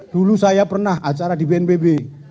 dulu saya pernah acara di bnpb